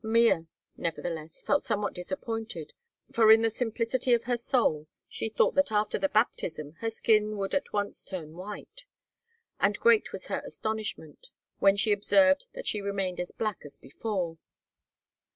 Mea, nevertheless, felt somewhat disappointed, for in the simplicity of her soul she thought that after the baptism her skin would at once turn white, and great was her astonishment when she observed that she remained as black as before.